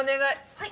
はい。